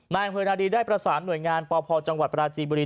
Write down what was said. อำเภอนาดีได้ประสานหน่วยงานปพจังหวัดปราจีบุรี